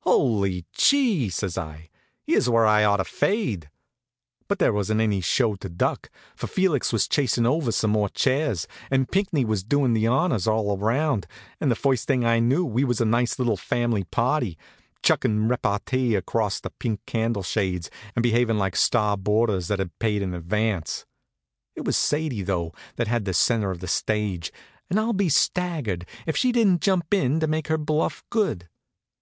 "Hully chee!" says I. "Here's where I ought to fade." But there wasn't any show to duck; for Felix was chasin' over some more chairs, and Pinckney was doin' the honors all round, and the first thing I knew we was a nice little fam'ly party, chuckin' repartee across the pink candle shades, and behavin' like star boarders that had paid in advance. It was Sadie, though, that had the centre of the stage, and I'll be staggered if she didn't jump in to make her bluff good.